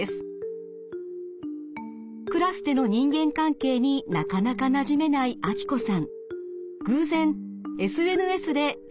クラスでの人間関係になかなかなじめないアキコさん。